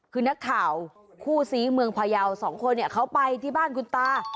คือนักข่าวคู่ซีเมืองพยาวสองคนเนี่ยเขาไปที่บ้านคุณตา